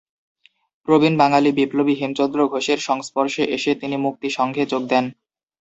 প্রবীণ বাঙালি বিপ্লবী হেমচন্দ্র ঘোষের সংস্পর্শে এসে তিনি মুক্তি সংঘে যোগ দেন।